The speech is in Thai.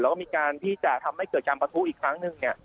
แล้วก็มีการที่จะทำให้เกิดการประทุอีกครั้งหนึ่ง